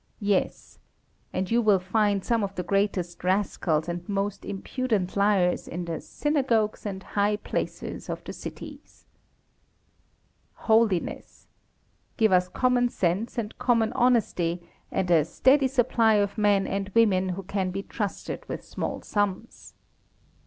Yes. And you will find some of the greatest rascals and most impudent liars in the "Synagogues and High Places" of the cities. Holiness! Give us common sense, and common honesty, and a "steady supply of men and women who can be trusted with small sums."